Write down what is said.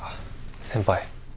先輩。